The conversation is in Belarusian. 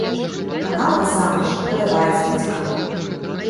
Канал насамрэч не падабаецца бацькам.